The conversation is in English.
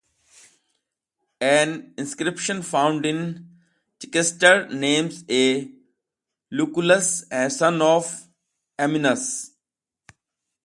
An inscription found in Chichester names a "Lucullus, son of Amminus".